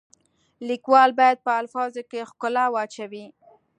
لیکوال باید په الفاظو کې ښکلا واچوي.